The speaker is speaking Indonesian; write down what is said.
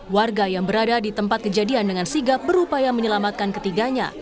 warga yang berada di tempat kejadian dengan sigap berupaya menyelamatkan ketiganya